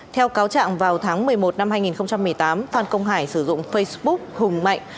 theo cáo trạng vào tháng một mươi một năm hai nghìn một mươi tám phan công hải sử dụng facebook hùng mạnh